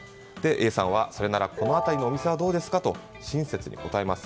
Ａさんは、それならこの辺りのお店はどうですかと親切に答えます。